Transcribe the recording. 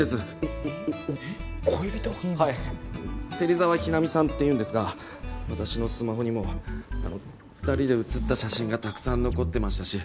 芹沢日菜美さんっていうんですが私のスマホにも２人で写った写真がたくさん残ってましたし。